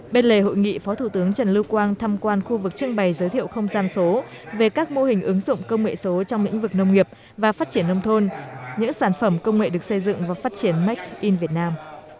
bên lề hội nghị phó thủ tướng trần lưu quang thăm quan khu vực trưng bày giới thiệu không gian số về các mô hình ứng dụng công nghệ số trong lĩnh vực nông nghiệp và phát triển nông thôn những sản phẩm công nghệ được xây dựng và phát triển make in việt nam